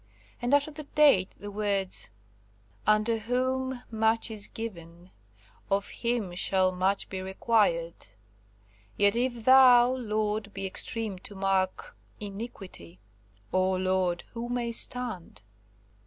And after the date the words, "Unto whom much is given; of him shall much be required; yet if Thou, Lord, be extreme to mark iniquity, O Lord, who may stand?"